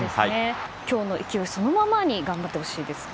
今日の勢いそのままに頑張ってほしいです。